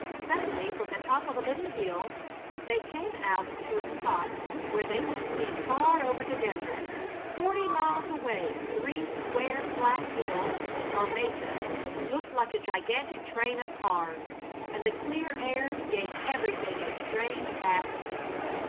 Suddenly from the top of a little hill they came out to a spot where they could see far over the desert. Forty miles away three square, flat hills, or mesas, looked like a gigantic train of cars, and the clear air gave everything a strange vastness.